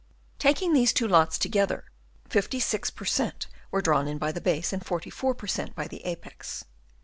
Taking these two lots together, 56 per cent, were drawn in by the base, and 44 per cent, by the apex.